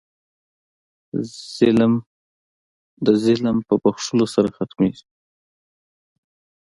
ظلم د ظلم په بښلو سره ختمېږي.